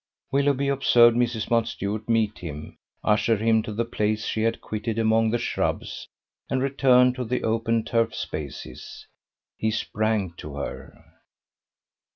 Willoughby observed Mrs. Mountstuart meet him, usher him to the place she had quitted among the shrubs, and return to the open turf spaces. He sprang to her.